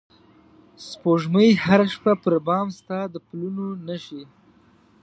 سپوږمۍ هره شپه پر بام ستا د پلونو نښې